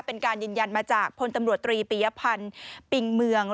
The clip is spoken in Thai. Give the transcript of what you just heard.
เป็นการยืนยันมอจากพตตรีปพันส์ปิ่งเมือง